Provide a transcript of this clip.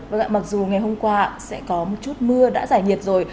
và mặc dù ngày hôm qua sẽ có một chút mưa đã giải nhiệt rồi